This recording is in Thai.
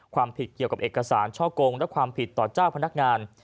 ความผิดเกี่ยวกับเอกสารช่อกงและความผิดต่อเจ้าพนักงาน